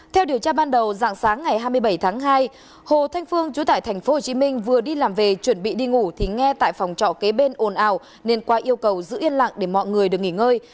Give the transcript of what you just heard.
theo điều tra ban đầu dạng sáng ngày hai mươi bảy tháng hai hồ thanh phương chú tại tp hcm vừa đi làm về chuẩn bị đi ngủ thì nghe tại phòng trọ kế bên ồn ào nên qua yêu cầu giữ yên lạc để mọi người được nghỉ ngơi